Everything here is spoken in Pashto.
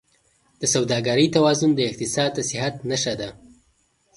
د سوداګرۍ توازن د اقتصاد د صحت نښه ده.